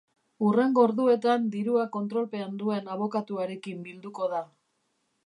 Hurrengo orduetan dirua kontrolpean duen abokatuarekin bilduko da.